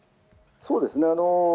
そうですね。